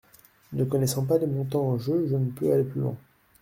Ne connaissant pas les montants en jeu, je ne peux aller plus loin.